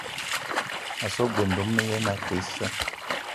A so g-beu ndomni ye na ake issa.